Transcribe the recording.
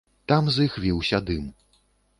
Там з іх віўся дым.